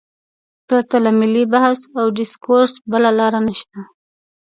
پرته له ملي بحث او ډیسکورس بله لار نشته.